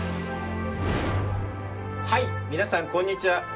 はい皆さんこんにちは！